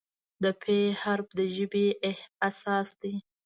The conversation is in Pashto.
د "پ" حرف د ژبې اساس دی.